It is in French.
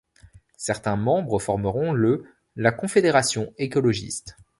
Certains membres formeront le la Confédération écologiste.